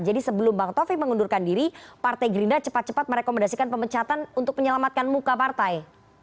jadi sebelum bang taufik mengundurkan diri partai gerindra cepat cepat merekomendasikan pemecatan untuk menyelamatkan muka partai